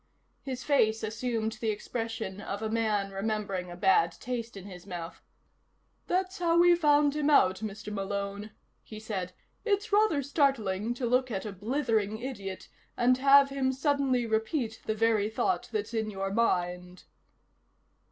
His face assumed the expression of a man remembering a bad taste in his mouth. "That's how we found him out, Mr. Malone," he said. "It's rather startling to look at a blithering idiot and have him suddenly repeat the very thought that's in your mind."